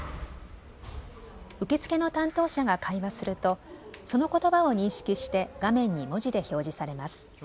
受付の担当者が会話するとそのことばを認識して画面に文字で表示されます。